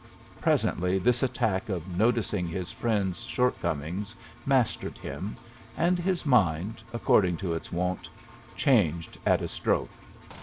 Presently this attack of noticing his friends' shortcomings mastered him, and his mind, according to its wont, changed at a stroke.